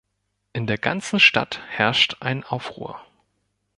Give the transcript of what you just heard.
In der ganzen Stadt herrscht ein Aufruhr.